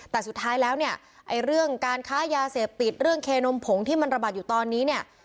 แต่สุดท้ายแล้วเนี่ยไอ้เรื่องการค้ายาเสพติดเรื่องเคนมผงที่มันระบาดอยู่ตอนนี้เนี่ย